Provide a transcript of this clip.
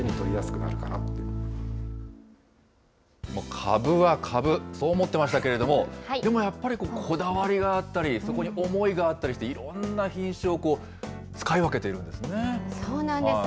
かぶはかぶ、そう思ってましたけれども、でもやっぱり、こだわりがあったり、そこに思いがあったりっていろんな品種を使い分けているんですね。